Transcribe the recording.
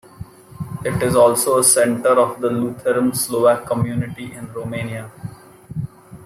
It is also a centre of the Lutheran Slovak community in Romania.